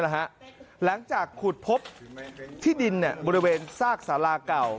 หลังจากขุดพบที่ดินบริเวณซากสาราเก่า